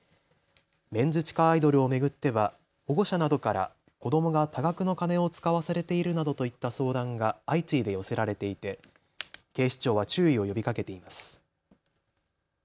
メンズ地下アイドルを巡っては保護者などから子どもが多額の金を使わされているなどといった相談が相次いで寄せられていて警視庁は注意を呼びかけています。